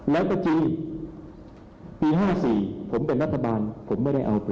และปัจจุปี๕๔ผมเป็นรัฐบาลผมไม่ได้เอาเปรต